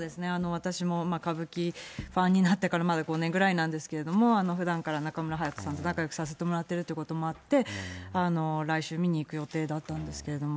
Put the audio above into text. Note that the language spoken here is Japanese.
私も歌舞伎ファンになってからまだ５年ぐらいなんですけれども、ふだんから中村隼人さんと仲よくさせてもらってるということもあって、来週見に行く予定だったんですけれども。